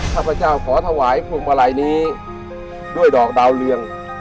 ก็จะขอถวายพวกปลายนี้ด้วยดอกดาวเรียง